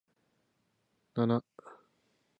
七生麦七生米七生卵